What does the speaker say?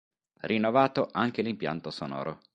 Rinnovato anche l'impianto sonoro.